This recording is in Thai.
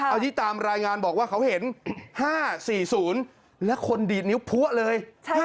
อันนี้ตามรายงานบอกว่าเขาเห็น๕๔๐และคนดีดนิ้วพัวเลย